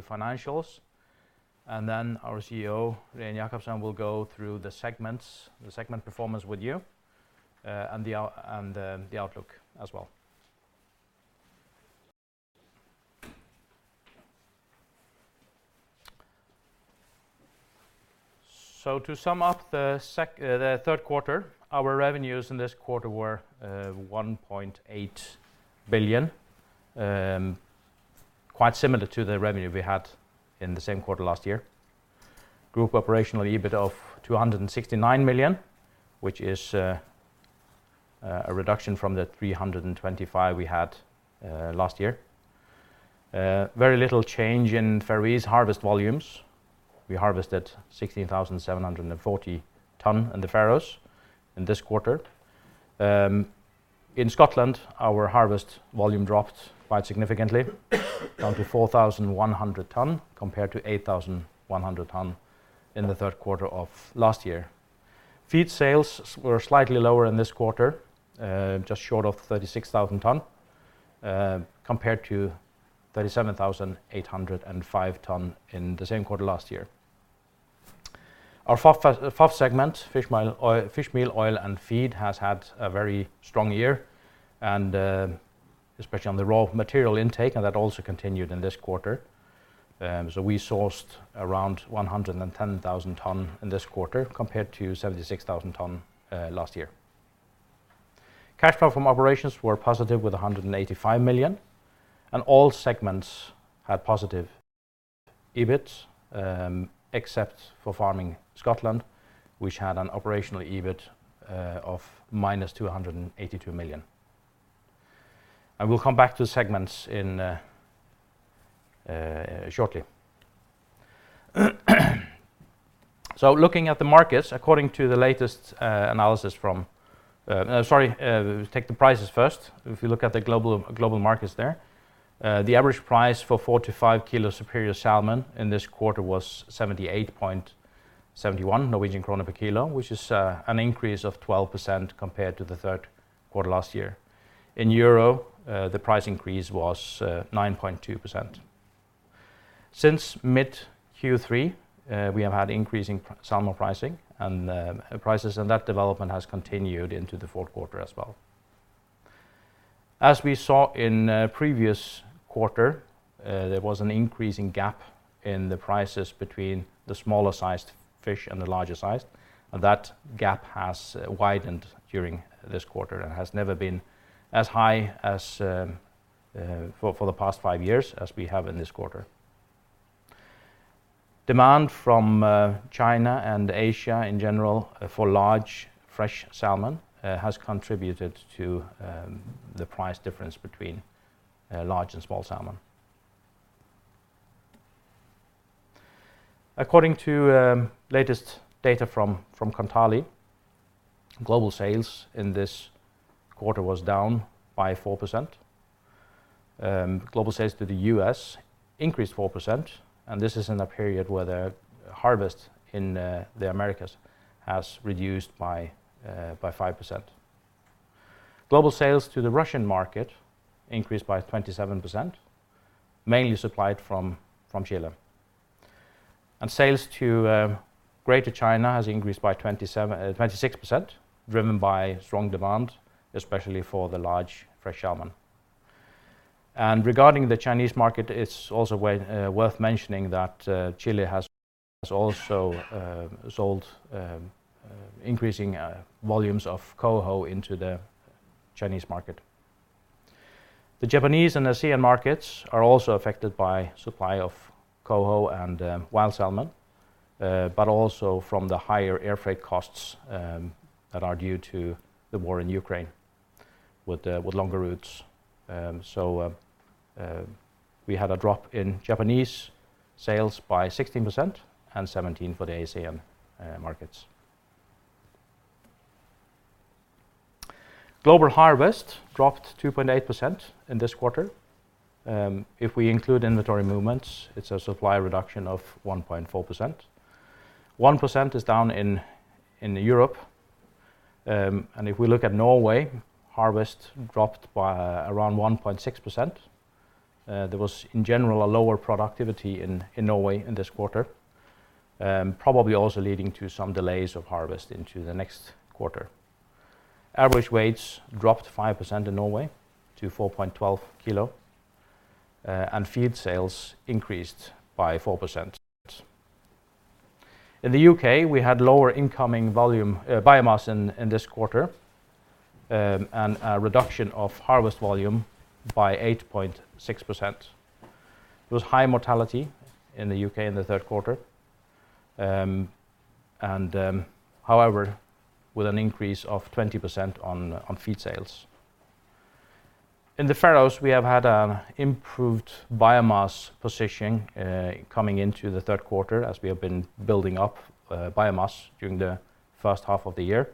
To the financials, and then our CEO, Regin Jacobsen, will go through the segments, the segment performance with you, and the outlook as well. So to sum up the third quarter, our revenues in this quarter were 1.8 billion. Quite similar to the revenue we had in the same quarter last year. Group operational EBIT of 269 million, which is a reduction from the 325 million we had last year. Very little change in Faroese harvest volumes. We harvested 16,740 tons in the Faroes in this quarter. In Scotland, our harvest volume dropped quite significantly down to 4,100 tons, compared to 8,100 tons in the third quarter of last year. Feed sales were slightly lower in this quarter, just short of 36,000 ton, compared to 37,805 ton in the same quarter last year. Our FOF, FOF segment, fishmeal oil—fishmeal, oil, and feed, has had a very strong year, and, especially on the raw material intake, and that also continued in this quarter. So we sourced around 110,000 ton in this quarter, compared to 76,000 ton last year. Cash flow from operations were positive with 185 million, and all segments had positive EBIT, except for Farming Scotland, which had an operational EBIT of -282 million. I will come back to segments in, shortly. So looking at the markets, according to the latest, analysis from. Sorry, take the prices first. If you look at the global markets there, the average price for 45 kg Superior salmon in this quarter was 78.71 Norwegian krone per kg, which is an increase of 12% compared to the third quarter last year. In EUR, the price increase was 9.2%. Since mid-Q3, we have had increasing salmon pricing and prices, and that development has continued into the fourth quarter as well. As we saw in a previous quarter, there was an increasing gap in the prices between the smaller sized fish and the larger sized, and that gap has widened during this quarter and has never been as high as for the past 5 years as we have in this quarter. Demand from China and Asia in general for large, fresh salmon has contributed to the price difference between large and small salmon. According to latest data from Kontali, global sales in this quarter was down by 4%. Global sales to the U.S. increased 4%, and this is in a period where the harvest in the Americas has reduced by 5%. Global sales to the Russian market increased by 27%, mainly supplied from Chile. Sales to Greater China has increased by 27, 26%, driven by strong demand, especially for the large fresh salmon. Regarding the Chinese market, it's also way worth mentioning that Chile has also sold increasing volumes of Coho into the Chinese market. The Japanese and ASEAN markets are also affected by supply of Coho and wild salmon, but also from the higher air freight costs that are due to the war in Ukraine with longer routes. So we had a drop in Japanese sales by 16% and 17% for the ASEAN markets. Global harvest dropped 2.8% in this quarter. If we include inventory movements, it's a supply reduction of 1.4%. 1% is down in the Europe, and if we look at Norway, harvest dropped by around 1.6%. There was, in general, a lower productivity in Norway in this quarter, probably also leading to some delays of harvest into the next quarter. Average weights dropped 5% in Norway to 4.12 kg, and feed sales increased by 4%. In the UK, we had lower incoming volume, biomass in this quarter, and a reduction of harvest volume by 8.6%. There was high mortality in the UK in the third quarter, and however, with an increase of 20% on feed sales. In the Faroes, we have had an improved biomass positioning, coming into the third quarter as we have been building up biomass during the first half of the year.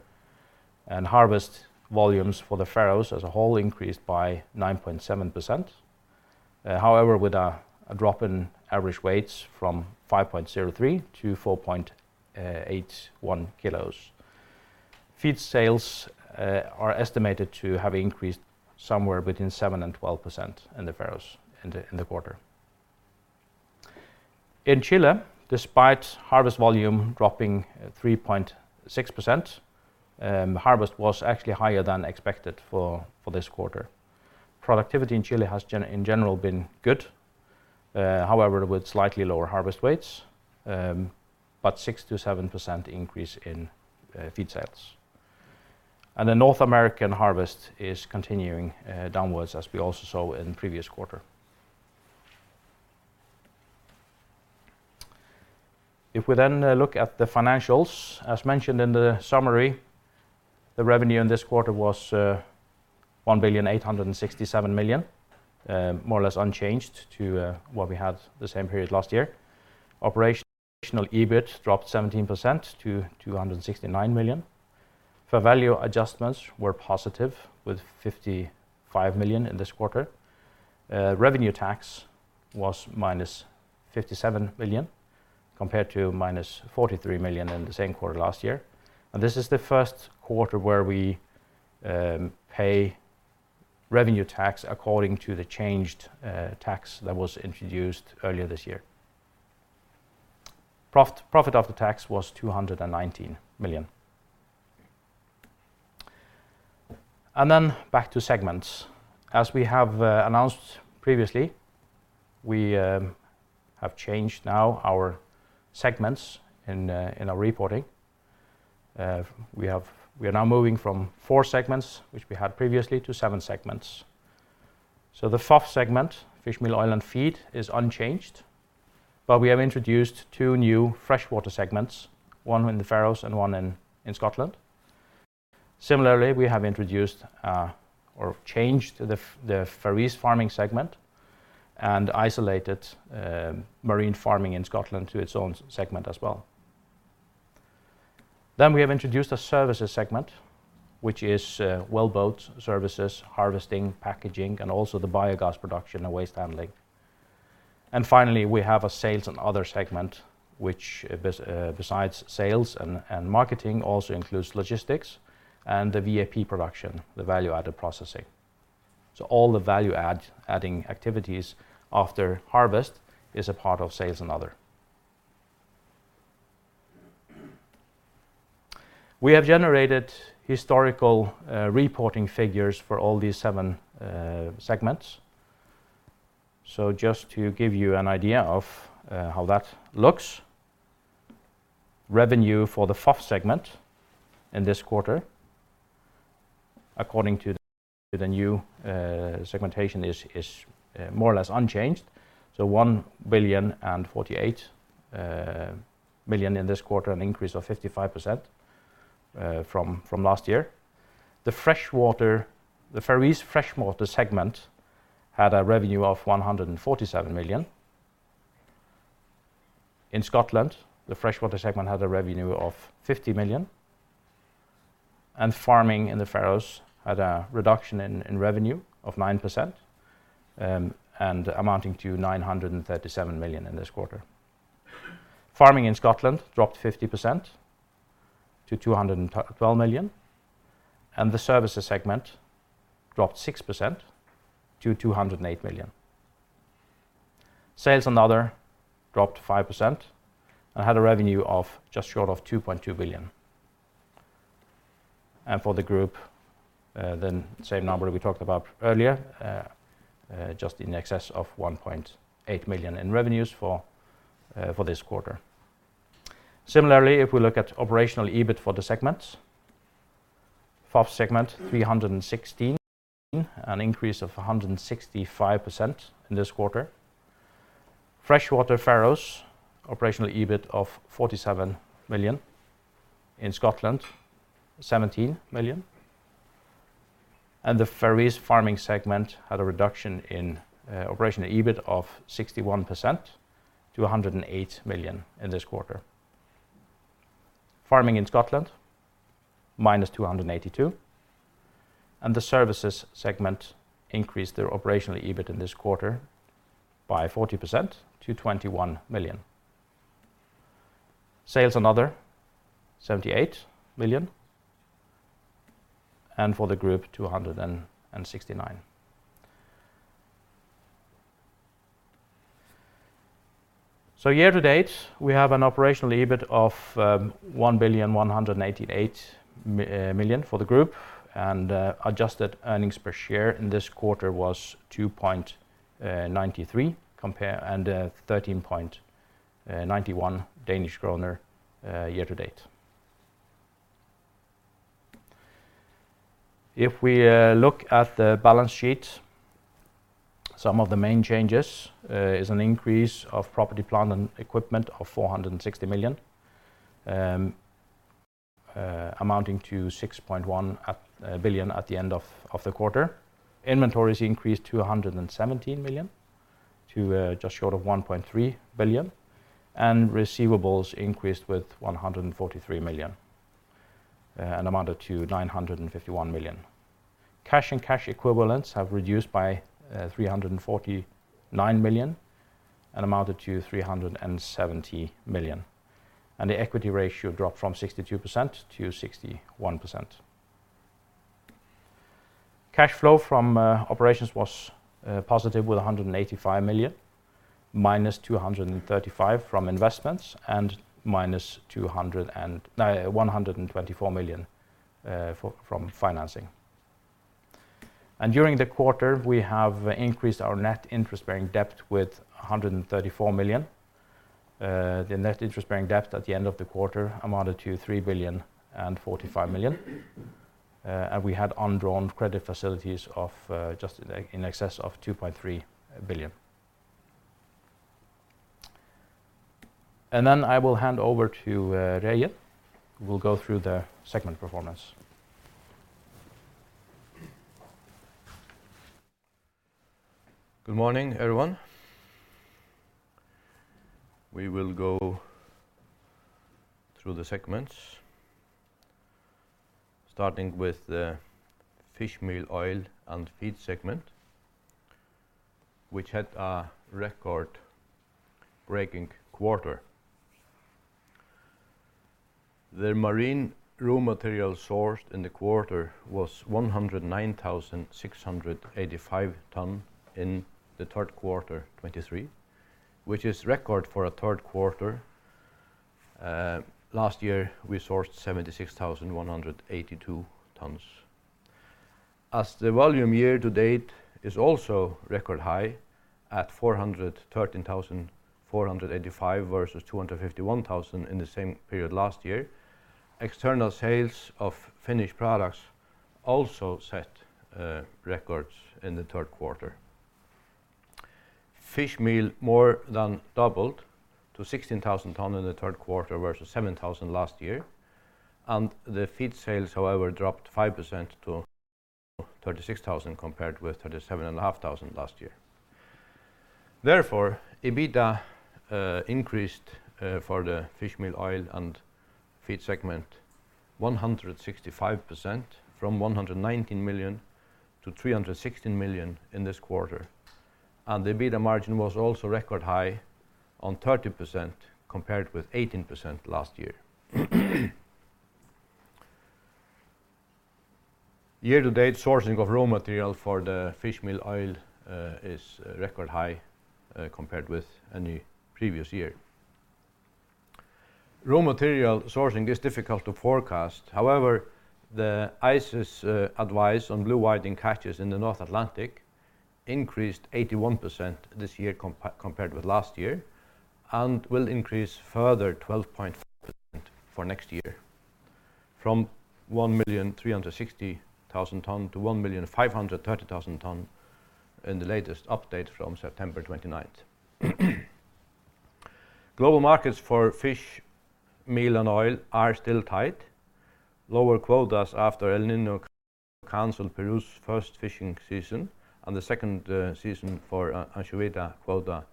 And harvest volumes for the Faroes as a whole increased by 9.7%. However, with a drop in average weights from 5.03 kg to 4.81 kg. Feed sales are estimated to have increased somewhere between 7% and 12% in the Faroes in the quarter. In Chile, despite harvest volume dropping 3.6%, the harvest was actually higher than expected for this quarter. Productivity in Chile has in general been good, however, with slightly lower harvest weights, but 6%-7% increase in feed sales. The North American harvest is continuing downwards, as we also saw in the previous quarter. If we then look at the financials, as mentioned in the summary, the revenue in this quarter was 1,867 million, more or less unchanged to what we had the same period last year. Operational EBIT dropped 17% to 269 million. Fair value adjustments were positive, with 55 million in this quarter. Revenue tax was -57 million, compared to -43 million in the same quarter last year. This is the first quarter where we pay revenue tax according to the changed tax that was introduced earlier this year. Profit, profit after tax was 219 million. Back to segments. As we have announced previously, we have changed now our segments in our reporting. We are now moving from four segments, which we had previously, to seven segments. So the FOF segment, fish meal, oil and feed, is unchanged, but we have introduced two new freshwater segments, one in the Faroes and one in Scotland. Similarly, we have introduced or changed the the Faroese farming segment and isolated marine farming in Scotland to its own segment as well. Then we have introduced a services segment, which is wellboat services, harvesting, packaging, and also the biogas production and waste handling. And finally, we have a sales and other segment, which besides sales and marketing, also includes logistics and the VAP production, the value-added processing. So all the value-adding activities after harvest is a part of sales and other. We have generated historical reporting figures for all these seven segments. So just to give you an idea of how that looks, revenue for the FOF segment in this quarter, according to the new segmentation, is more or less unchanged. So 1,048,000,000 in this quarter, an increase of 55% from last year. The freshwater, the Faroese freshwater segment had a revenue of 147 million. In Scotland, the freshwater segment had a revenue of 50 million, and farming in the Faroes had a reduction in revenue of 9%, and amounting to 937 million in this quarter. Farming in Scotland dropped 50% to 212 million, and the services segment dropped 6% to 208 million. Sales and other dropped 5% and had a revenue of just short of 2.2 billion. And for the group, the same number we talked about earlier, just in excess of 1.8 million in revenues for this quarter. Similarly, if we look at operational EBIT for the segments, FOF segment, 316, an increase of 165% in this quarter. Freshwater Faroes, operational EBIT of 47 million. In Scotland, 17 million. And the Faroese farming segment had a reduction in operational EBIT of 61% to 108 million in this quarter. Farming in Scotland, -282. And the services segment increased their operational EBIT in this quarter by 40% to 21 million. Sales and other, 78 million. And for the group, 269. So year to date, we have an operational EBIT of 1,188,000,000 for the group, and adjusted earnings per share in this quarter was 2.93, compare. 13.91 Danish kroner year-to-date. If we look at the balance sheet, some of the main changes is an increase of property, plant, and equipment of 460 million, amounting to 6.1 billion at the end of the quarter. Inventories increased to 117 million to just short of 1.3 billion, and receivables increased with 143 million and amounted to 951 million. Cash and cash equivalents have reduced by 349 million and amounted to 370 million, and the equity ratio dropped from 62% to 61%. Cash flow from operations was positive with 185 million, -235 million from investments, and -124 million from financing. During the quarter, we have increased our net interest-bearing debt with 134 million. The net interest-bearing debt at the end of the quarter amounted to 3,045,000,000, and we had undrawn credit facilities of just in excess of 2.3 billion. Then I will hand over to Regin, who will go through the segment performance. Good morning, everyone. We will go through the segments, starting with the fishmeal, oil, and feed segment, which had a record-breaking quarter. The marine raw material sourced in the quarter was 109,685 tons in the third quarter 2023, which is record for a third quarter. Last year, we sourced 76,182 tons. As the volume year to date is also record high at 413,485 tons versus 251,000 tons in the same period last year, external sales of finished products also set records in the third quarter. Fishmeal more than doubled to 16,000 tons in the third quarter versus 7,000 tons last year, and the feed sales, however, dropped 5% to 36,000 tons, compared with 37,500 tons last year. Therefore, EBITDA increased for the fish meal, oil, and feed segment 165%, from 119 million to 316 million in this quarter. The EBITDA margin was also record high at 30%, compared with 18% last year. Year-to-date, sourcing of raw material for the fish meal oil is record high compared with any previous year. Raw material sourcing is difficult to forecast. However, the ICES advice on blue whiting catches in the North Atlantic increased 81% this year compared with last year, and will increase further 12% for next year, from 1,360,000 tons to 1,530,000 tons in the latest update from September twenty-ninth. Global markets for fish meal and oil are still tight. Lower quotas after El Niño canceled Peru's first fishing season, and the second season for anchoveta quota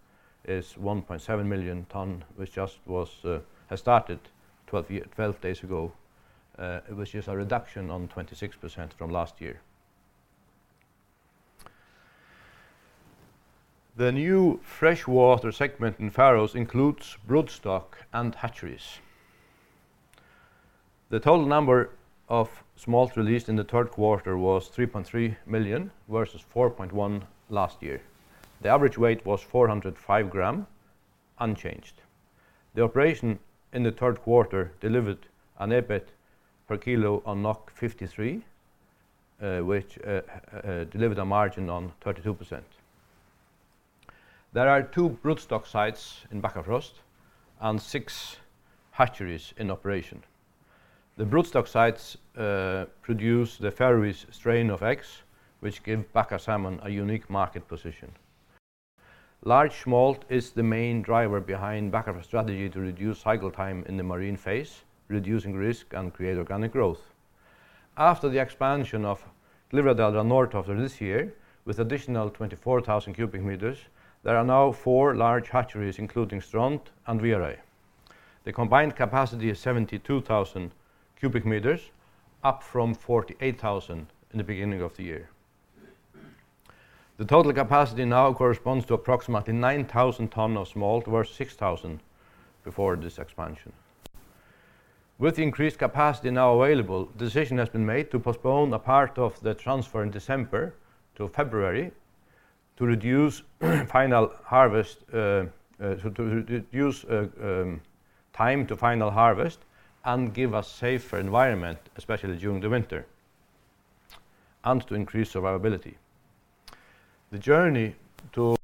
is 1.7 million tons, which just was has started twelve days ago. It was just a reduction on 26% from last year. The new freshwater segment in Faroes includes broodstock and hatcheries. The total number of smolt released in the third quarter was 3.3 million tons versus 4.1 million tons last year. The average weight was 405 g, unchanged. The operation in the third quarter delivered an EBIT per kg on 53, which delivered a margin on 32%. There are two broodstock sites in Bakkafrost and six hatcheries in operation. The broodstock sites produce the Faroese strain of eggs, which give Bakkafrost a unique market position. Large smolt is the main driver behind Bakkafrost's strategy to reduce cycle time in the marine phase, reducing risk and create organic growth. After the expansion of Klaksvík North after this year, with additional 24,000 cu m, there are now four large hatcheries, including Strond and Viðareiði. The combined capacity is 72,000 cu m, up from 48,000 cu m in the beginning of the year. The total capacity now corresponds to approximately 9,000 tons of smolt versus 6,000 tons before this expansion. With the increased capacity now available, decision has been made to postpone a part of the transfer in December to February to reduce time to final harvest and give a safer environment, especially during the winter, and to increase survivability. The journey to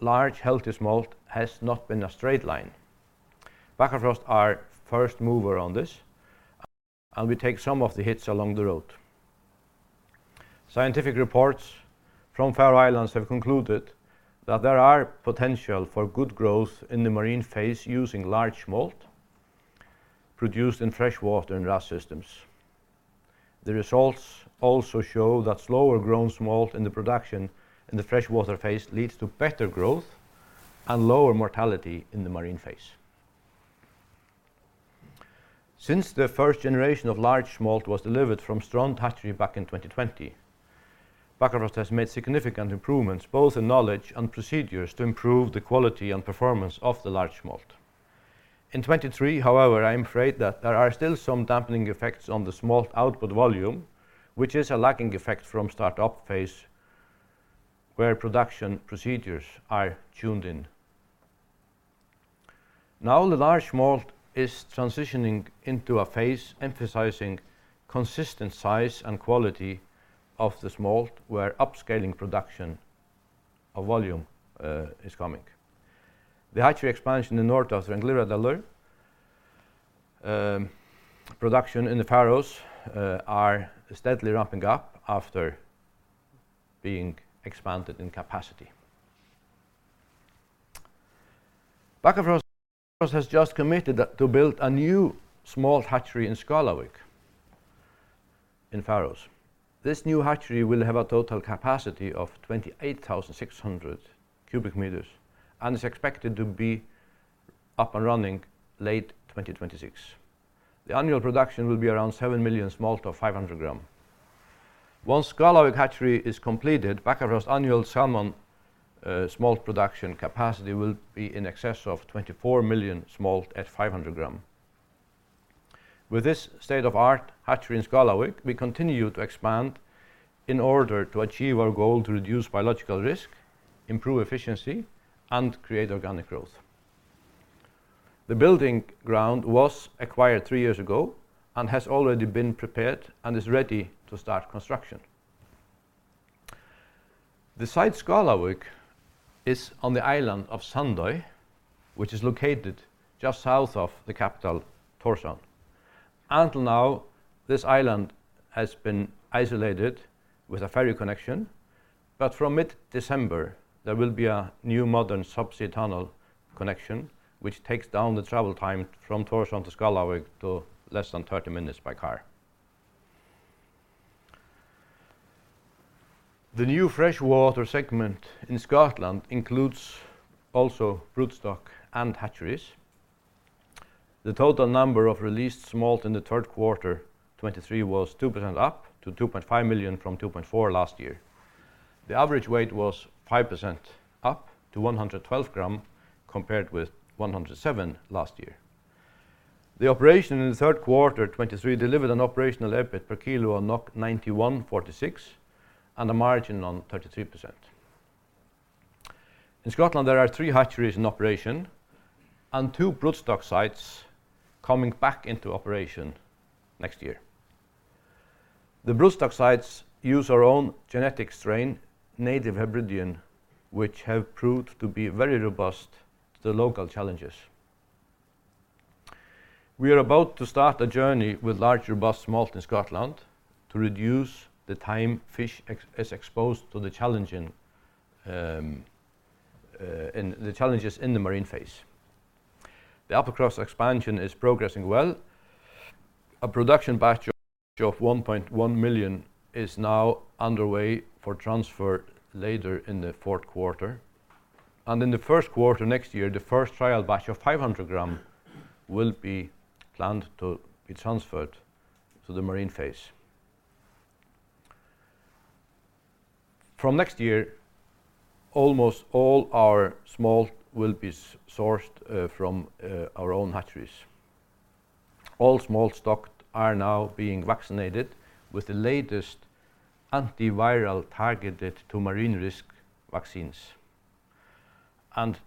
large, healthy smolt has not been a straight line. Bakkafrost are first mover on this, and we take some of the hits along the road. Scientific reports from Faroe Islands have concluded that there are potential for good growth in the marine phase using large smolt produced in freshwater and RAS systems. The results also show that slower grown smolt in the production in the freshwater phase leads to better growth and lower mortality in the marine phase. Since the first generation of large smolt was delivered from Strond hatchery back in 2020, Bakkafrost has made significant improvements, both in knowledge and procedures, to improve the quality and performance of the large smolt. In 2023, however, I am afraid that there are still some dampening effects on the smolt output volume, which is a lagging effect from startup phase, where production procedures are tuned in. Now, the large smolt is transitioning into a phase emphasizing consistent size and quality of the smolt, where upscaling production of volume is coming. The hatchery expansion in the Norðtoftir and Glyvradalur, production in the Faroes, are steadily ramping up after being expanded in capacity. Bakkafrost has just committed to build a new small hatchery in Skálavík, in Faroes. This new hatchery will have a total capacity of 28,600 cu m and is expected to be up and running late 2026. The annual production will be around 7 million smolt of 500 g. Once Skálavík hatchery is completed, Bakkafrost's annual salmon smolt production capacity will be in excess of 24 million smolt at 500 g. With this state-of-the-art hatchery in Skálavík, we continue to expand in order to achieve our goal to reduce biological risk, improve efficiency, and create organic growth. The building ground was acquired three years ago and has already been prepared and is ready to start construction. The site, Skálavík, is on the island of Sandoy, which is located just south of the capital, Tórshavn. Until now, this island has been isolated with a ferry connection, but from mid-December, there will be a new modern subsea tunnel connection, which takes down the travel time from Tórshavn to Skálavík to less than 30 minutes by car. The new freshwater segment in Scotland includes also broodstock and hatcheries. The total number of released smolt in the third quarter 2023 was 2% up to 2.5 million from 2.4 million last year. The average weight was 5% up to 112 g, compared with 107 g last year. The operation in the third quarter 2023 delivered an operational EBIT per kg on 91.46 and a margin on 33%. In Scotland, there are three hatcheries in operation and two broodstock sites coming back into operation next year. The broodstock sites use our own genetic strain, Native Hebridean, which have proved to be very robust to the local challenges. We are about to start a journey with large, robust smolt in Scotland to reduce the time fish is exposed to the challenges in the marine phase. The Applecross expansion is progressing well. A production batch of 1.1 million is now underway for transfer later in the fourth quarter, and in the first quarter next year, the first trial batch of 500 g will be planned to be transferred to the marine phase. From next year, almost all our smolt will be sourced from our own hatcheries. All smolt stocked are now being vaccinated with the latest antiviral targeted to marine risk vaccines and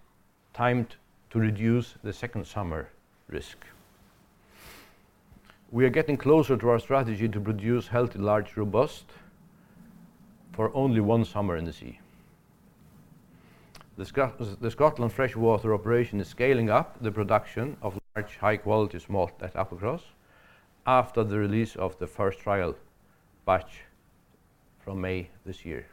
timed to reduce the second summer risk. We are getting closer to our strategy to produce healthy, large, robust for only one summer in the sea. The Scotland freshwater operation is scaling up the production of large, high-quality smolt at Applecross after the release of the first trial batch from May this year.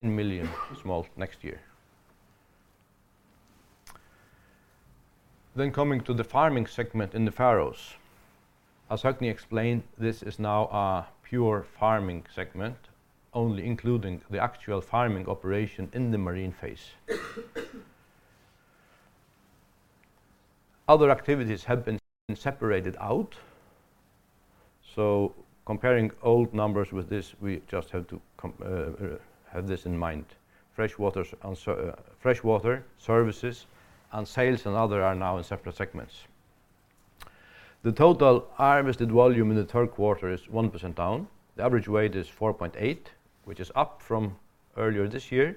1 million smolt next year. Then coming to the farming segment in the Faroes. As Høgni explained, this is now a pure farming segment, only including the actual farming operation in the marine phase. Other activities have been separated out, so comparing old numbers with this, we just have to have this in mind. Freshwater services and sales and other are now in separate segments. The total harvested volume in the third quarter is 1% down. The average weight is 4.8, which is up from earlier this year,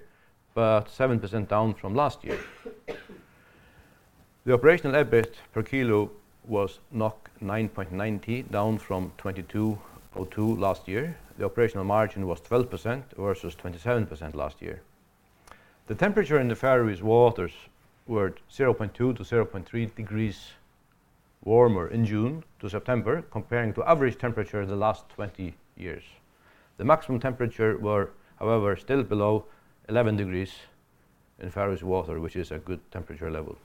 but 7% down from last year. The operational EBIT per kg was 9.90, down from 22.02 last year. The operational margin was 12% versus 27% last year. The temperature in the Faroes waters were 0.2-0.3 degrees warmer in June to September, comparing to average temperature in the last 20 years. The maximum temperature were, however, still below 11 degrees in Faroese water, which is a good temperature level.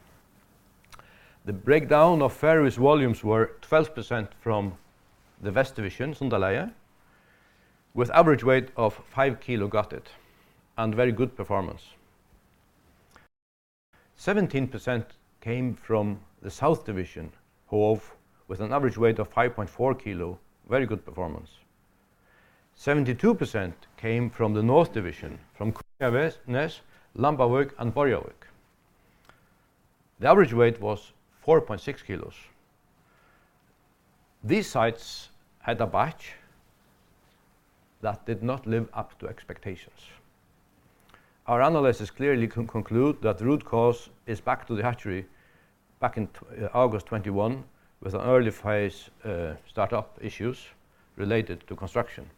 The breakdown of Faroes volumes were 12% from the West Division, Sundalagið. With average weight of 5 kg gutted and very good performance. Seventeen percent came from the South Division, who have with an average weight of 5.4 kg, very good performance. 72% came from the North Division, from Kunoyarnes, Lambavík, and Borðoyarvík. The average weight was 4.6 kg. These sites had a batch that did not live up to expectations. Our analysis clearly conclude that the root cause is back to the hatchery back in the August 2021, with an early phase, startup issues related to construction.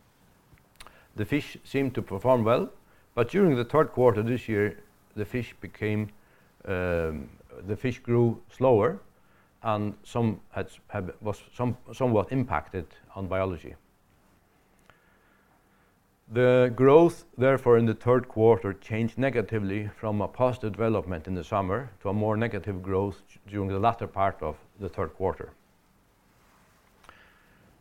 The fish seemed to perform well, but during the third quarter this year, the fish grew slower and some were somewhat impacted on biology. The growth, therefore, in the third quarter changed negatively from a positive development in the summer to a more negative growth during the latter part of the third quarter.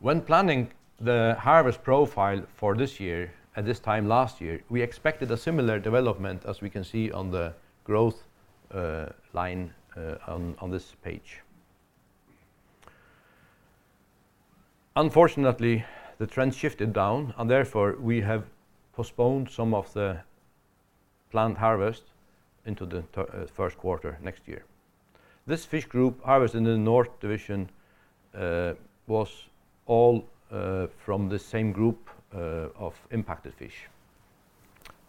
When planning the harvest profile for this year, at this time last year, we expected a similar development as we can see on the growth line on this page. Unfortunately, the trend shifted down, and therefore, we have postponed some of the planned harvest into the first quarter next year. This fish group harvested in the North Division was all from the same group of impacted fish.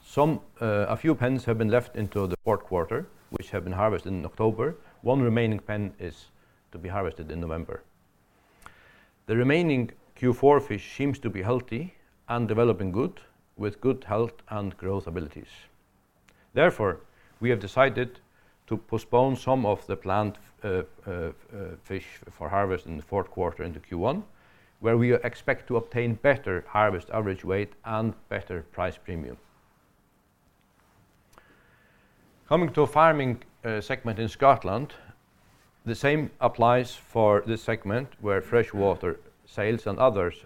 Some, a few pens have been left into the fourth quarter, which have been harvested in October. One remaining pen is to be harvested in November. The remaining Q4 fish seems to be healthy and developing good, with good health and growth abilities. Therefore, we have decided to postpone some of the planned fish for harvest in the fourth quarter into Q1, where we expect to obtain better harvest average weight and better price premium. Coming to farming segment in Scotland, the same applies for this segment, where freshwater sales and others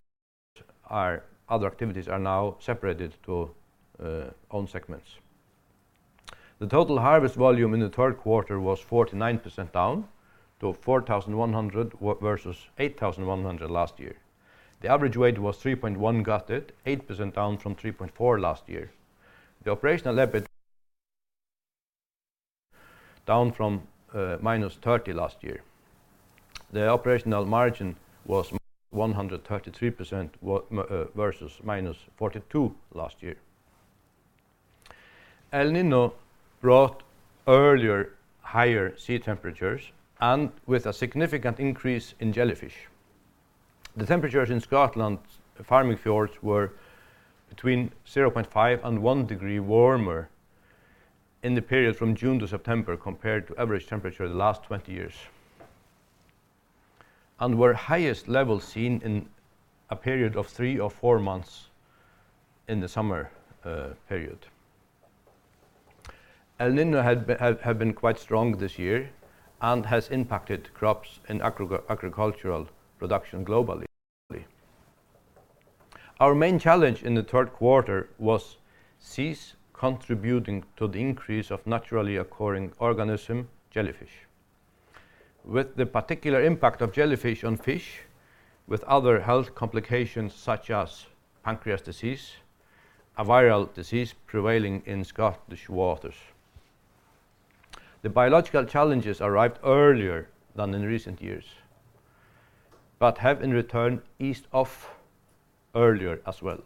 are other activities are now separated to own segments. The total harvest volume in the third quarter was 49% down to 4,100 versus 8,100 last year. The average weight was 3.1 gutted, 8% down from 3.4 last year. The operational EBIT, down from -30 last year. The operational margin was 133%, versus -42% last year. El Niño brought earlier, higher sea temperatures and with a significant increase in jellyfish. The temperatures in Scotland's farming fjords were between 0.5 and 1 degree warmer in the period from June to September, compared to average temperature the last 20 years, and were highest levels seen in a period of three or four months in the summer period. El Niño have been quite strong this year and has impacted crops in agricultural production globally. Our main challenge in the third quarter was seas contributing to the increase of naturally occurring organism, jellyfish. With the particular impact of jellyfish on fish, with other health complications such as pancreas disease, a viral disease prevailing in Scottish waters. The biological challenges arrived earlier than in recent years, but have in return eased off earlier as well.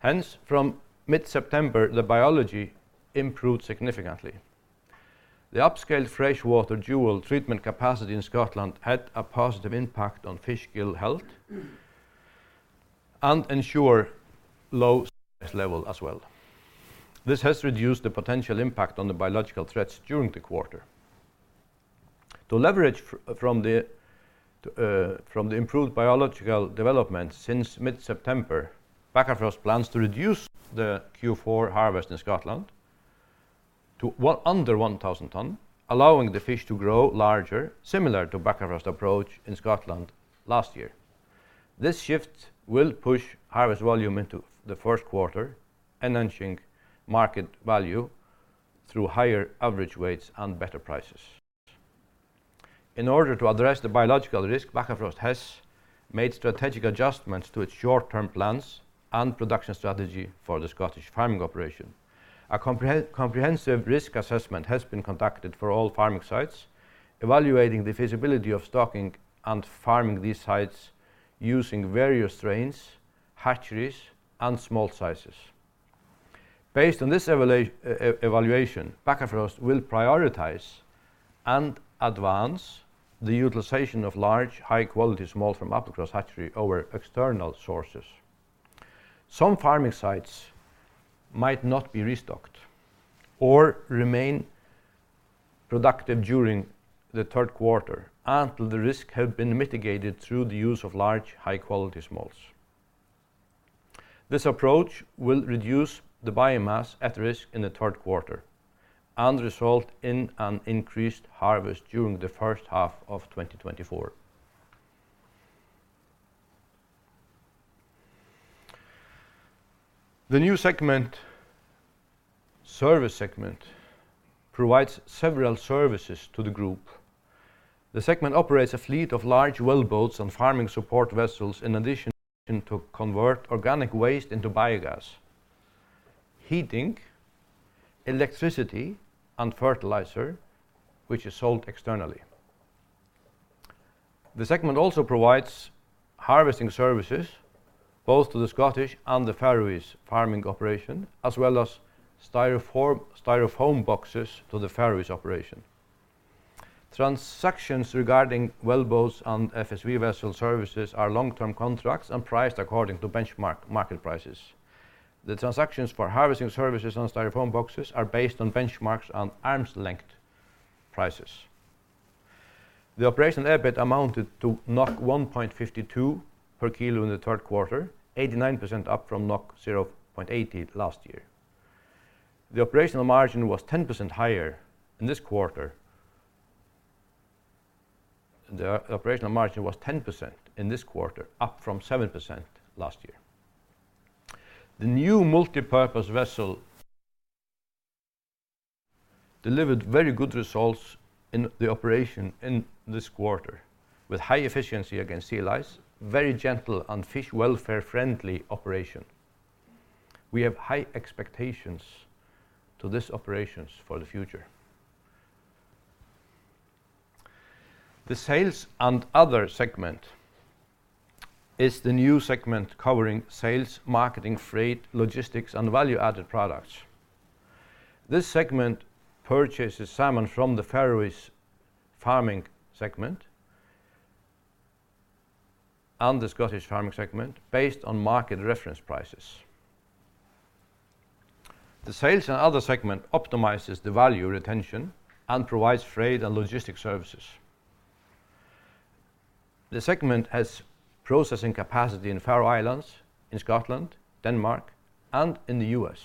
Hence, from mid-September, the biology improved significantly. The upscaled freshwater dual treatment capacity in Scotland had a positive impact on fish gill health, and ensure low stress level as well. This has reduced the potential impact on the biological threats during the quarter. To leverage from the improved biological development since mid-September, Bakkafrost plans to reduce the Q4 harvest in Scotland to under 1,000 ton, allowing the fish to grow larger, similar to Bakkafrost approach in Scotland last year. This shift will push harvest volume into the first quarter, enhancing market value through higher average weights and better prices. In order to address the biological risk, Bakkafrost has made strategic adjustments to its short-term plans and production strategy for the Scottish farming operation. A comprehensive risk assessment has been conducted for all farming sites, evaluating the feasibility of stocking and farming these sites using various strains, hatcheries, and smolt sizes. Based on this evaluation, Bakkafrost will prioritize and advance the utilization of large, high-quality smolt from Bakkafrost hatchery over external sources. Some farming sites might not be restocked or remain productive during the third quarter, until the risk have been mitigated through the use of large, high-quality smolts. This approach will reduce the biomass at risk in the third quarter... and result in an increased harvest during the first half of 2024. The new segment, service segment, provides several services to the group. The segment operates a fleet of large wellboats and farming support vessels, in addition, to convert organic waste into biogas, heating, electricity, and fertilizer, which is sold externally. The segment also provides harvesting services, both to the Scottish and the Faroese farming operation, as well as Styrofoam boxes to the Faroese operation. Transactions regarding wellboats and FSV vessel services are long-term contracts and priced according to benchmark market prices. The transactions for harvesting services and Styrofoam boxes are based on benchmarks and arm's length prices. The operational EBIT amounted to 1.52 per kg in the third quarter, 89% up from 0.80 last year. The operational margin was 10% higher in this quarter. The operational margin was 10% in this quarter, up from 7% last year. The new multipurpose vessel delivered very good results in the operation in this quarter, with high efficiency against sea lice, very gentle and fish welfare-friendly operation. We have high expectations to this operations for the future. The sales and other segment is the new segment covering sales, marketing, freight, logistics, and value-added products. This segment purchases salmon from the Faroese farming segment and the Scottish farming segment based on market reference prices. The sales and other segment optimizes the value retention and provides freight and logistics services. The segment has processing capacity in Faroe Islands, in Scotland, Denmark, and in the U.S.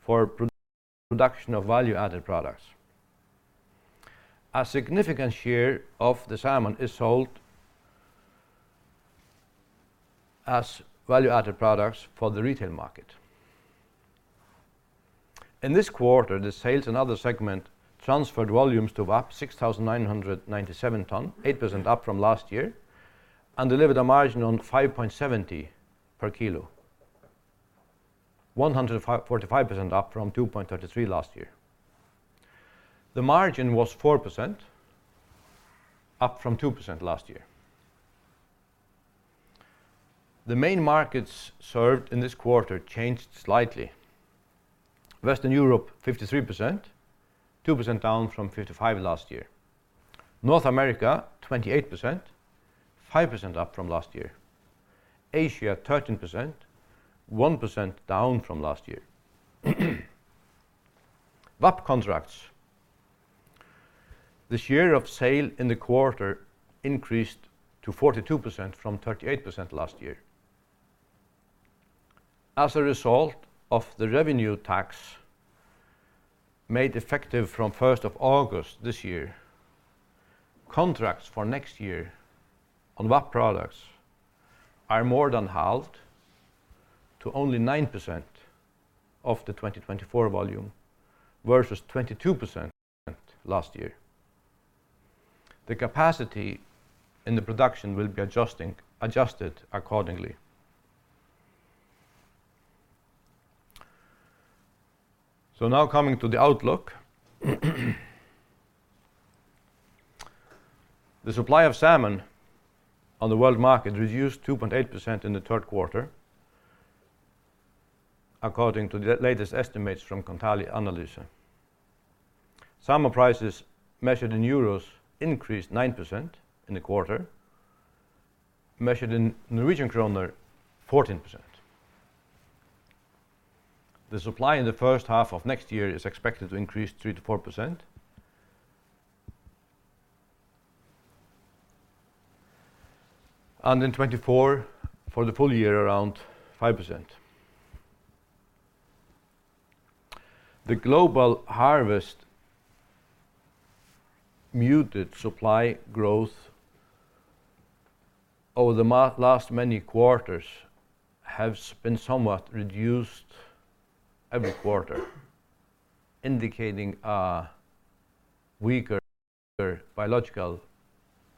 for production of value-added products. A significant share of the salmon is sold as value-added products for the retail market. In this quarter, the sales and other segment transferred volumes to VAP 6,997 tons, 8% up from last year, and delivered a margin on 5.70 per kg, 145% up from 2.33 last year. The margin was 4%, up from 2% last year. The main markets served in this quarter changed slightly. Western Europe, 53%, 2% down from 55 last year. North America, 28%, 5% up from last year. Asia, 13%, 1% down from last year. VAP contracts. The share of sale in the quarter increased to 42% from 38% last year. As a result of the revenue tax made effective from first of August this year, contracts for next year on VAP products are more than halved to only 9% of the 2024 volume, versus 22% last year. The capacity in the production will be adjusting, adjusted accordingly. So now coming to the outlook. The supply of salmon on the world market reduced 2.8% in the third quarter, according to the latest estimates from Kontali Analyse. Salmon prices measured in euros increased 9% in the quarter, measured in Norwegian kroner, 14%. The supply in the first half of next year is expected to increase 3%-4%, and in 2024, for the full year, around 5%. The global harvest muted supply growth over the last many quarters have been somewhat reduced every quarter, indicating a weaker biological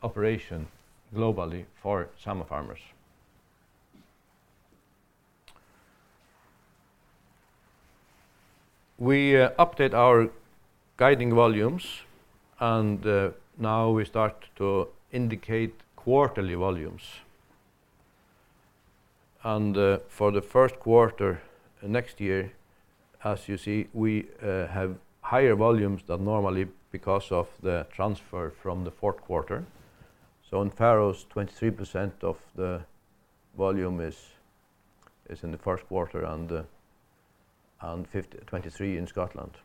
operation globally for salmon farmers. We update our guiding volumes, and now we start to indicate quarterly volumes. And for the first quarter next year, as you see, we have higher volumes than normally because of the transfer from the fourth quarter. So in Faroes, 23% of the volume is in the first quarter and 23 in Scotland.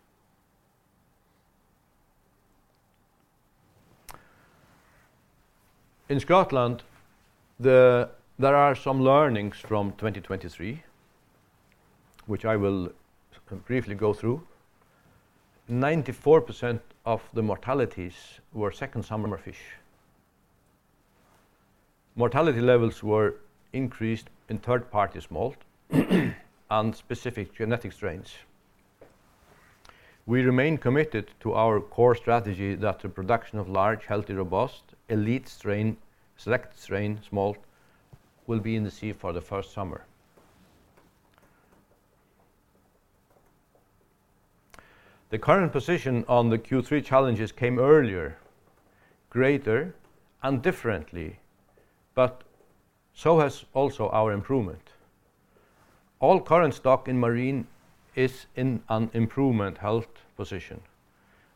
In Scotland, there are some learnings from 2023, which I will briefly go through. 94% of the mortalities were second summer fish. Mortality levels were increased in third-party smolt, and specific genetic strains. We remain committed to our core strategy that the production of large, healthy, robust, elite strain, select strain smolt will be in the sea for the first summer. The current position on the Q3 challenges came earlier, greater and differently, but so has also our improvement. All current stock in marine is in an improvement health position,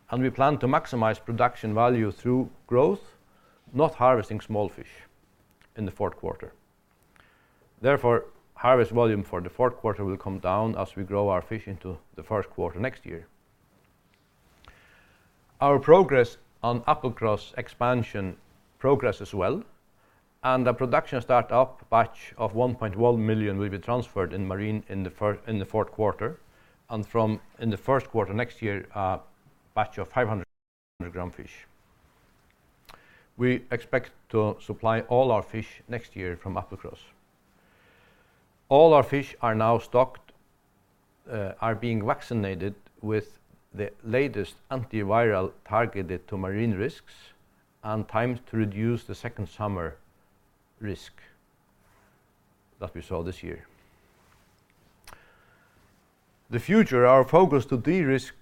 and we plan to maximize production value through growth, not harvesting small fish in the fourth quarter. Therefore, harvest volume for the fourth quarter will come down as we grow our fish into the first quarter next year. Our progress on Applecross expansion progress as well, and the production start-up batch of 1.1 million will be transferred in marine in the fourth quarter, and from the first quarter next year, a batch of 500 g fish. We expect to supply all our fish next year from Applecross. All our fish are now stocked, are being vaccinated with the latest antiviral targeted to marine risks and timed to reduce the second summer risk that we saw this year. In the future, our focus to de-risk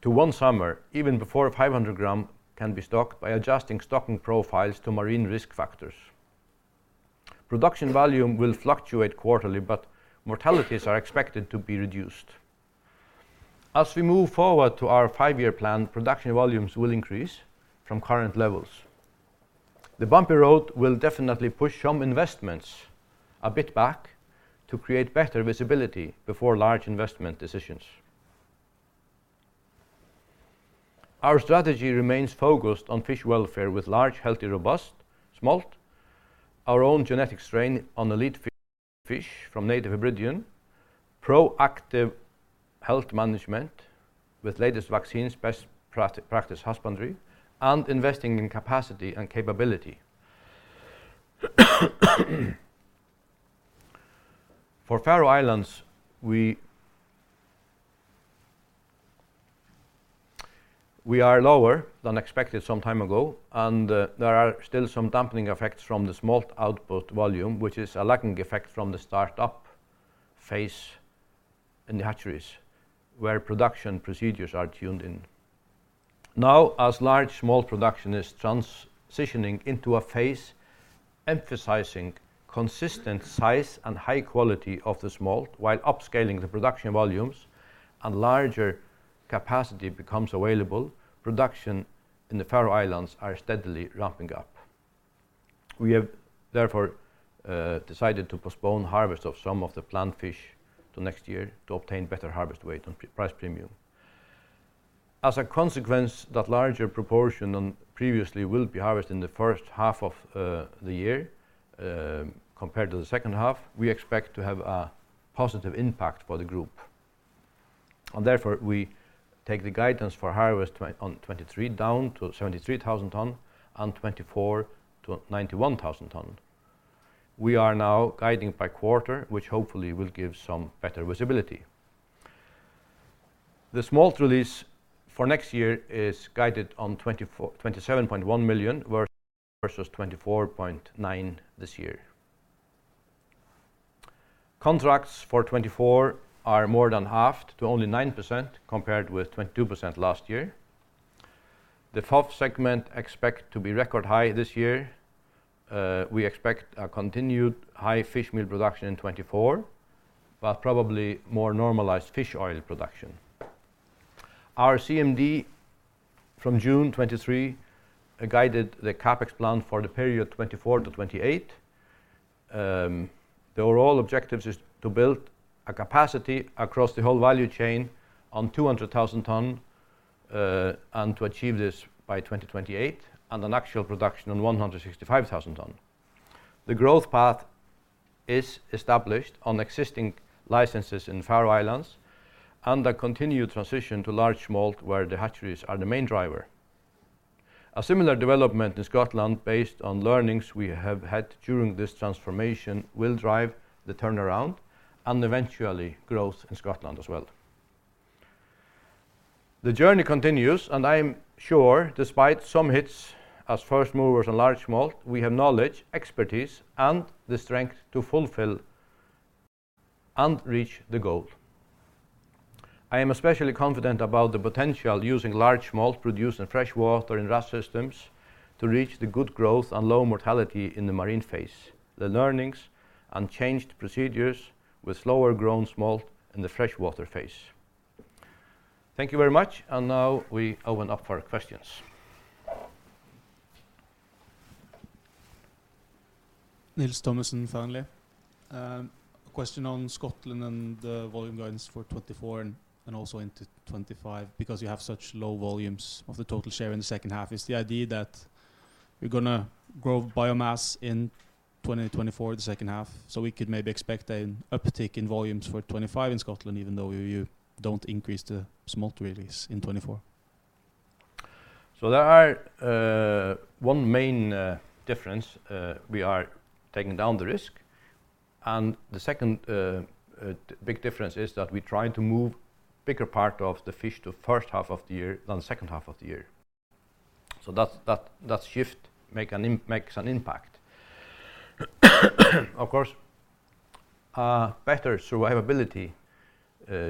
to one summer, even before 500 g, can be stocked by adjusting stocking profiles to marine risk factors. Production volume will fluctuate quarterly, but mortalities are expected to be reduced. As we move forward to our five-year plan, production volumes will increase from current levels. The bumpy road will definitely push some investments a bit back to create better visibility before large investment decisions. Our strategy remains focused on fish welfare with large, healthy, robust smolt, our own genetic strain on elite fish from Native Hebridean, proactive health management with latest vaccines, best practice husbandry, and investing in capacity and capability. For Faroe Islands, we are lower than expected some time ago, and there are still some dampening effects from the smolt output volume, which is a lagging effect from the start-up phase in the hatcheries, where production procedures are tuned in. Now, as large smolt production is transitioning into a phase emphasizing consistent size and high quality of the smolt, while upscaling the production volumes and larger capacity becomes available, production in the Faroe Islands are steadily ramping up. We have therefore decided to postpone harvest of some of the planned fish to next year to obtain better harvest weight and price premium. As a consequence, that larger proportion than previously will be harvested in the first half of the year, compared to the second half. We expect to have a positive impact for the group. Therefore, we take the guidance for harvest 2023 down to 73,000 tons and 2024 to 91,000 tons. We are now guiding by quarter, which hopefully will give some better visibility. The smolt release for next year is guided on 27.1 million versus 24.9 million this year. Contracts for 2024 are more than halved to only 9%, compared with 22% last year. The FOF segment expect to be record high this year. We expect a continued high fishmeal production in 2024, but probably more normalized fish oil production. Our CMD from June 2023 guided the CapEx plan for the period 2024-2028. The overall objectives is to build a capacity across the whole value chain on 200,000 tons, and to achieve this by 2028, and an actual production on 165,000 tons. The growth path is established on existing licenses in Faroe Islands and a continued transition to large smolt, where the hatcheries are the main driver. A similar development in Scotland, based on learnings we have had during this transformation, will drive the turnaround and eventually growth in Scotland as well. The journey continues, and I am sure, despite some hits as first movers on large smolt, we have knowledge, expertise, and the strength to fulfill and reach the goal. I am especially confident about the potential using large smolt produced in freshwater in RAS systems to reach the good growth and low mortality in the marine phase. The learnings and changed procedures with slower grown smolt in the freshwater phase. Thank you very much, and now we open up for questions. Nils Thommesen, Fearnley. A question on Scotland and the volume guidance for 2024 and also into 2025, because you have such low volumes of the total share in the second half. Is the idea that you're gonna grow biomass in 2024, the second half, so we could maybe expect an uptick in volumes for 2025 in Scotland, even though you don't increase the smolt release in 2024? So there are one main difference we are taking down the risk. And the second big difference is that we try to move bigger part of the fish to first half of the year than the second half of the year. So that shift makes an impact. Of course, better survivability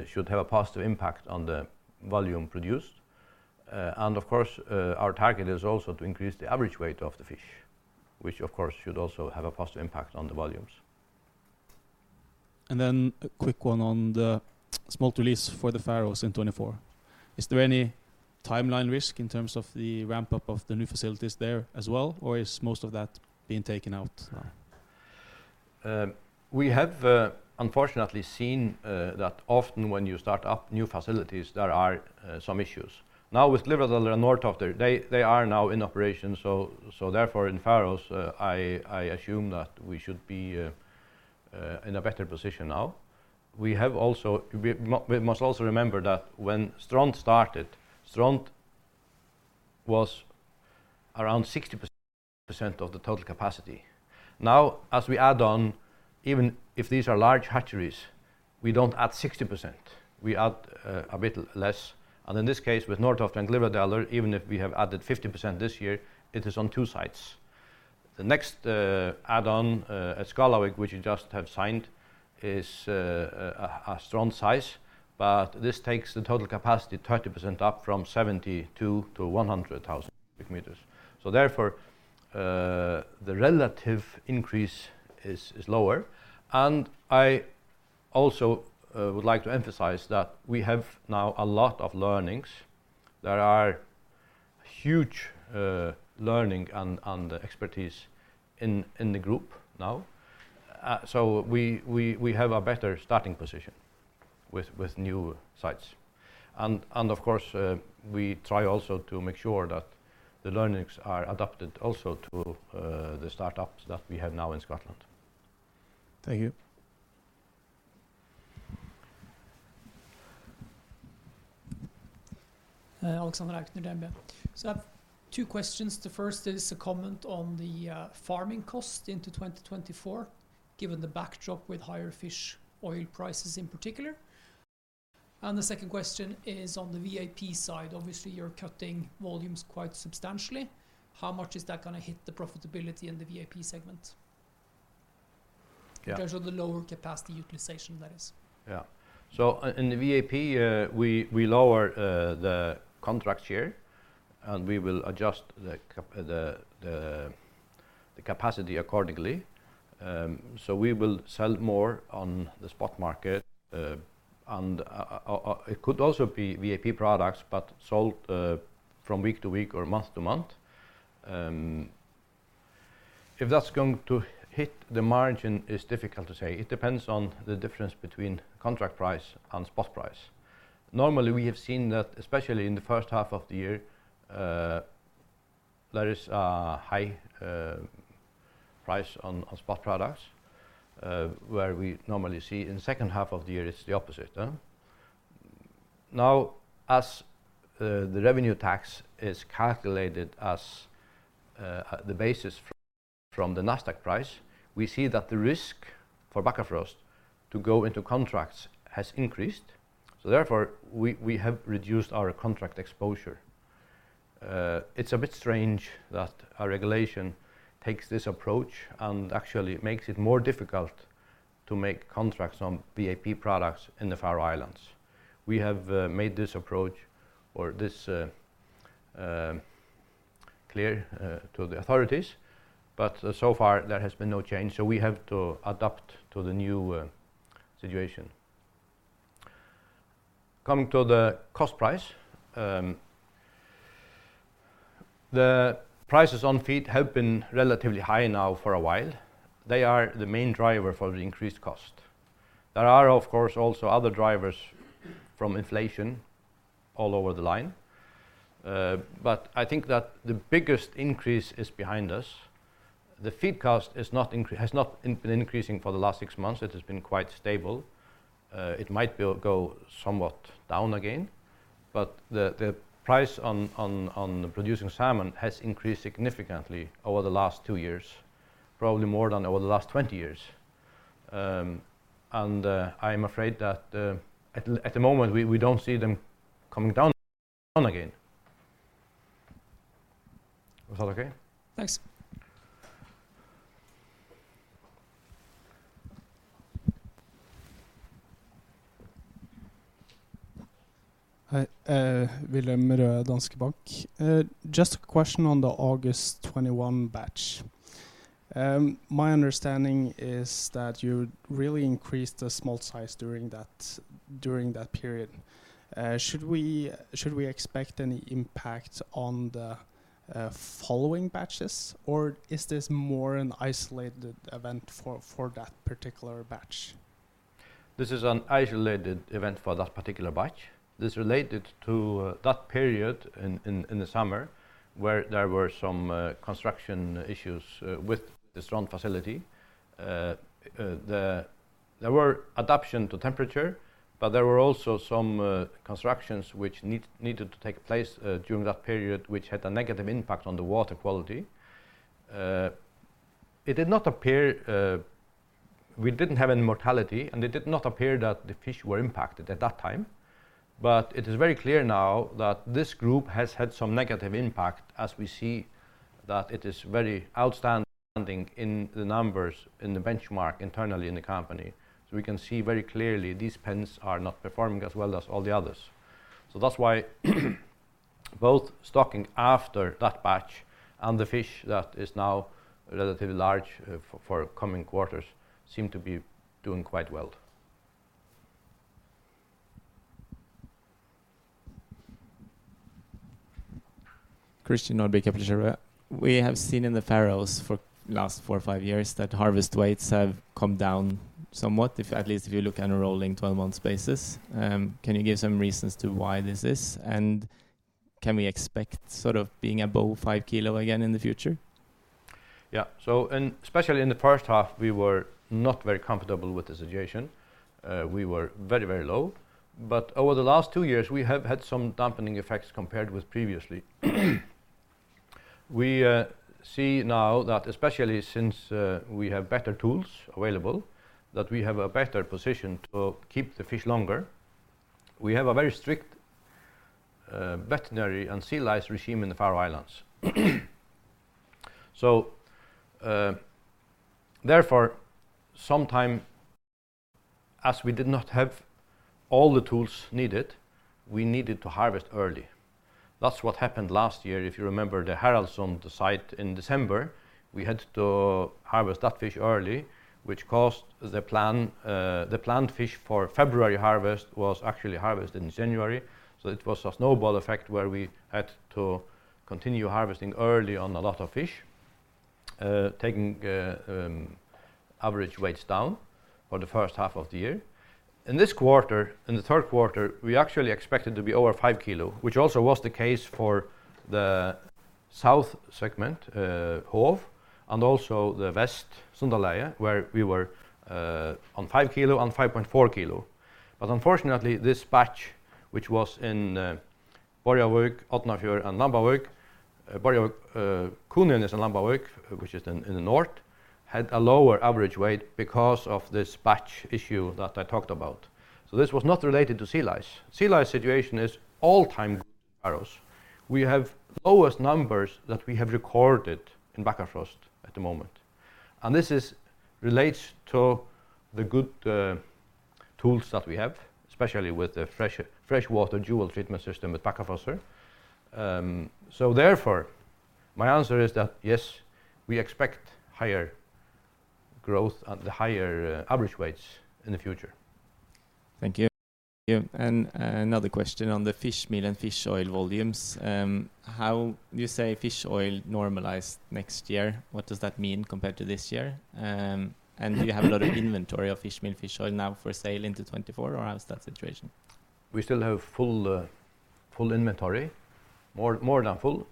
should have a positive impact on the volume produced. And of course, our target is also to increase the average weight of the fish, which of course, should also have a positive impact on the volumes. And then a quick one on the smolt release for the Faroes in 2024. Is there any timeline risk in terms of the ramp-up of the new facilities there as well, or is most of that being taken out now? We have unfortunately seen that often when you start up new facilities, there are some issues. Now, with Glyvradalur and Norðtoftir, they are now in operation, so therefore, in Faroes, I assume that we should be in a better position now. We must also remember that when Strond started, Strond was around 60% of the total capacity. Now, as we add on, even if these are large hatcheries, we don't add 60%. We add a bit less, and in this case, with Norðtoftir and Glyvradalur, even if we have added 50% this year, it is on two sites. The next add-on at Skálavík, which we just have signed, is a Strond size, but this takes the total capacity 30% up from 72,000 cu m to 100,000 cu m. So therefore, the relative increase is lower. And I also would like to emphasize that we have now a lot of learnings. There are huge learning and expertise in the group now. So we have a better starting position with new sites. And of course, we try also to make sure that the learnings are adapted also to the startups that we have now in Scotland. Thank you. Alexander Aukner, DNB. So I have two questions. The first is a comment on the farming cost into 2024, given the backdrop with higher fish oil prices in particular. The second question is on the VAP side. Obviously, you're cutting volumes quite substantially. How much is that gonna hit the profitability in the VAP segment? Yeah. Because of the lower capacity utilization, that is. Yeah. So in the VAP, we lower the contract share, and we will adjust the capacity accordingly. So we will sell more on the spot market, and it could also be VAP products, but sold from week to week or month to month. If that's going to hit the margin is difficult to say. It depends on the difference between contract price and spot price. Normally, we have seen that, especially in the first half of the year, there is a high price on spot products, where we normally see in the second half of the year, it's the opposite, huh? Now, as the revenue tax is calculated as the basis from the Nasdaq price, we see that the risk for Bakkafrost to go into contracts has increased, so therefore, we have reduced our contract exposure. It's a bit strange that our regulation takes this approach and actually makes it more difficult to make contracts on VAP products in the Faroe Islands. We have made this approach or this clear to the authorities, but so far, there has been no change, so we have to adapt to the new situation. Coming to the cost price, the prices on feed have been relatively high now for a while. They are the main driver for the increased cost. There are, of course, also other drivers from inflation all over the line, but I think that the biggest increase is behind us. The feed cost has not been increasing for the last six months. It has been quite stable. It might go somewhat down again, but the price on producing salmon has increased significantly over the last two years, probably more than over the last twenty years. And I'm afraid that at the moment, we don't see them coming down again. Was that okay? Thanks. Hi, Wilhelm Dahl Røe, Danske Bank. Just a question on the August 2021 batch. My understanding is that you really increased the smolt size during that, during that period. Should we expect any impact on the following batches, or is this more an isolated event for that particular batch? This is an isolated event for that particular batch. This related to that period in the summer, where there were some construction issues with the Strond facility. There were adaptation to temperature, but there were also some constructions which needed to take place during that period, which had a negative impact on the water quality. It did not appear, we didn't have any mortality, and it did not appear that the fish were impacted at that time. But it is very clear now that this group has had some negative impact, as we see that it is very outstanding in the numbers, in the benchmark, internally in the company. So we can see very clearly these pens are not performing as well as all the others. That's why both stocking after that batch and the fish that is now relatively large for coming quarters seem to be doing quite well. Christian Nordby, Kepler Cheuvreux. We have seen in the Faroes for last four or five years, that harvest weights have come down somewhat, if at least if you look on a rolling 12-month basis. Can you give some reasons to why this is? And can we expect sort of being above 5 kg again in the future? Yeah. So and especially in the first half, we were not very comfortable with the situation. We were very, very low, but over the last two years, we have had some dampening effects compared with previously. We see now that especially since we have better tools available, that we have a better position to keep the fish longer. We have a very strict veterinary and sea lice regime in the Faroe Islands. So, therefore, sometimes, as we did not have all the tools needed, we needed to harvest early. That's what happened last year. If you remember the Haraldsund site in December, we had to harvest that fish early, which caused the planned fish for February harvest was actually harvested in January. So it was a snowball effect, where we had to continue harvesting early on a lot of fish, taking average weights down for the first half of the year. In this quarter, in the third quarter, we actually expected to be over 5 kg, which also was the case for the south segment, Hov, and also the West Sundalagið, where we were on 5 kg and 5.4 kg. But unfortunately, this batch, which was in Borðoyarvík, Odda, and Lambavík. Borðoyarvík, Kunoyarnes and Lambavík, which is in the north, had a lower average weight because of this batch issue that I talked about. So this was not related to sea lice. Sea lice situation is all-time Faroes. We have the lowest numbers that we have recorded in Bakkafrost at the moment, and this relates to the good tools that we have, especially with the freshwater delousing treatment system at Bakkafrost. So therefore, my answer is that, yes, we expect higher growth and the higher average weights in the future. Thank you. Yeah, and another question on the fish meal and fish oil volumes. You say fish oil normalized next year, what does that mean compared to this year? And do you have a lot of inventory of fish meal, fish oil now for sale into 2024, or how is that situation? We still have full, full inventory, more, more than full.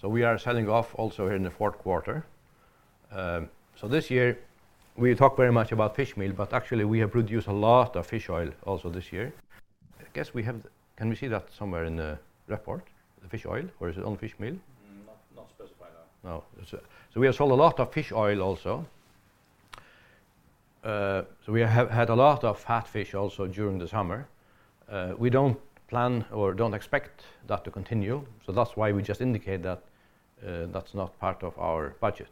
So we are selling off also here in the fourth quarter. So this year, we talk very much about fishmeal, but actually we have produced a lot of fish oil also this year. I guess we have. Can we see that somewhere in the report, the fish oil, or is it on fishmeal? Not specified now. No. So we have sold a lot of fish oil also. So we have had a lot of fat fish also during the summer. We don't plan or don't expect that to continue, so that's why we just indicate that, that's not part of our budget.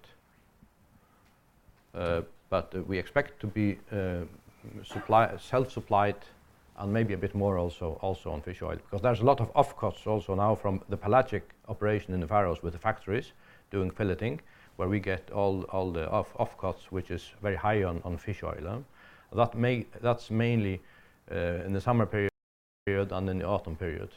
But we expect to be self-supplied and maybe a bit more also, also on fish oil, because there's a lot of offcuts also now from the pelagic operation in the Faroes with the factories doing pelagic, where we get all the offcuts, which is very high on fish oil. That's mainly in the summer period and in the autumn period.